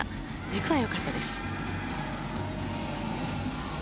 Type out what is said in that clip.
軸は良かったです。